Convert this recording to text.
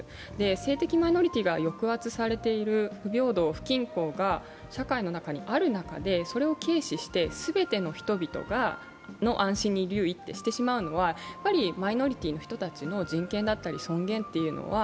性的マイノリティーが抑圧されている不平等、不均衡が社会の中にある中で、それを軽視して全ての人々の安心に留意としてしまうのは、マイノリティの人たちの人権だったり尊厳っていうのは